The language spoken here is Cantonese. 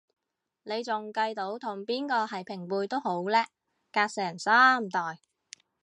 你仲計到同邊個係平輩都好叻，隔成三代